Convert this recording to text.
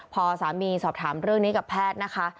พอสามีสอบถามเรื่องนี้กับแพทย์นะคะ